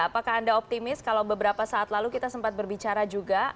apakah anda optimis kalau beberapa saat lalu kita sempat berbicara juga